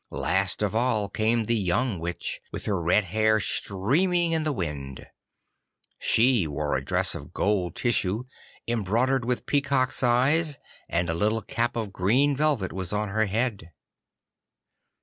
Last of all came the young Witch, with her red hair streaming in the wind. She wore a dress of gold tissue embroidered with peacocks' eyes, and a little cap of green velvet was on her head.